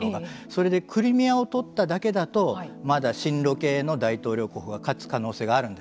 それでクリミアを取っただけだとまだ親ロ系の大統領候補が勝つ可能性がある。